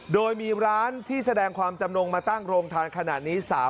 โดยมีร้านที่แสดงความจำนงมาตั้งโรงทานขนาดนี้